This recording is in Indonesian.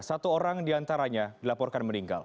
satu orang diantaranya dilaporkan meninggal